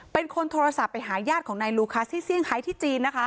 เป็นคนโทรศัพท์ไปหาญาติของนายลูคัสที่เซี่ยที่จีนนะคะ